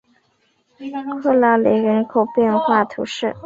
克拉雷人口变化图示